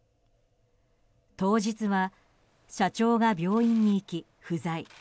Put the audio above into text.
当日は社長が病院に行き不在。